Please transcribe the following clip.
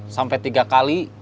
sampai tiga kali